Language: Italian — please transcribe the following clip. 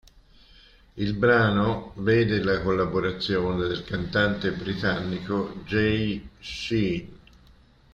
Il brano vede la collaborazione del cantante britannico Jay Sean.